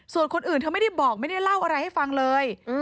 ส่วนคนอื่นเธอไม่ได้บอกไม่ได้เล่าอะไรให้ฟังเลย